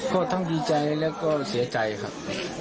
ก็ทั้งดีใจแล้วก็เสียใจครับ